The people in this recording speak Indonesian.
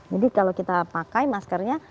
jadi kalau kita pakai maskernya